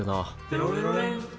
「テロレロレン」